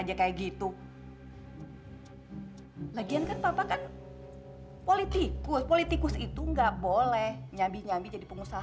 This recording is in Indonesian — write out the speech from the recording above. aja kayak gitu era ian kan kalau pakai politik protests itu nggak boleh nyampe nyampe jadi pengusaha